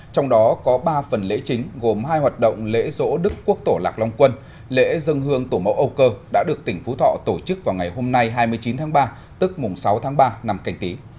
trong đó có ba phần lễ chính gồm hai hoạt động lễ rỗ đức quốc tổ lạc long quân lễ dân hương tổ mẫu âu cơ đã được tỉnh phú thọ tổ chức vào ngày hôm nay hai mươi chín tháng ba tức mùng sáu tháng ba năm canh tí